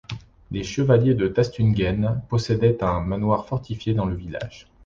Les chevaliers de Tastungen possédait un manoir fortifié dans le village.